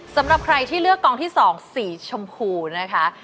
สำหรับใครที่เลือกกองที่๒สีชมพูนะคะ